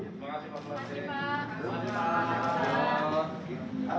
terima kasih pak